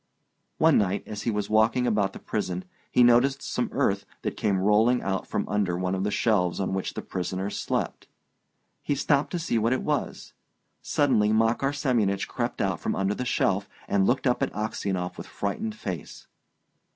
One night as he was walking about the prison he noticed some earth that came rolling out from under one of the shelves on which the prisoners slept. He stopped to see what it was. Suddenly Makar Semyonich crept out from under the shelf, and looked up at Aksionov with frightened face.